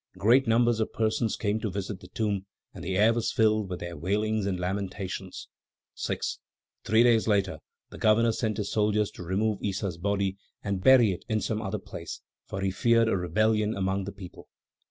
Great numbers of persons came to visit the tomb, and the air was filled with their wailings and lamentations. 6. Three days later, the governor sent his soldiers to remove Issa's body and bury it in some other place, for he feared a rebellion among the people.